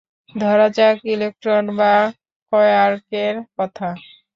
ধরা যাক ইলেকট্রন বা কোয়ার্কের কথা।